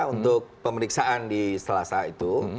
untuk pemeriksaan di selasa itu